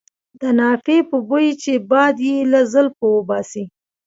د نافې په بوی چې باد یې له زلفو وباسي.